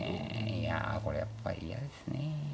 いやこれやっぱり嫌ですねえ。